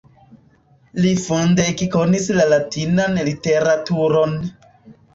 Li funde ekkonis la Latinan literaturon.